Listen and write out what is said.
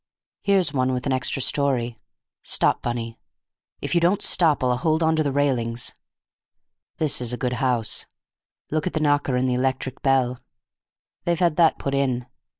Here's one with an extra story. Stop, Bunny; if you don't stop I'll hold on to the railings! This is a good house; look at the knocker and the electric bell. They've had that put in.